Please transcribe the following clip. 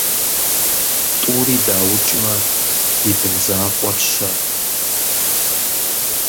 - ТӀури даукӀмэ, ди бын закъуэр - щэ?